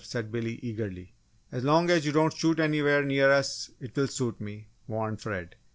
said Billy, eagerly. "As long as you don't shoot anywhere near us, it will suit me," warned Fred.